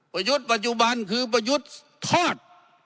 ยุทธ์ปัจจุบันคือประยุทธ์ทอด